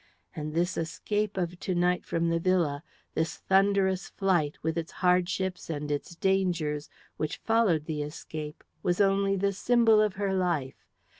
And this escape of to night from the villa, this thunderous flight, with its hardships and its dangers, which followed the escape, was only the symbol of her life.